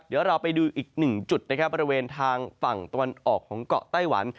เดี๋ยวเราไปดูอีกหนึ่งจุดนะครับบริเวณทางฝั่งตะวันออกของเกาะไต้หวัน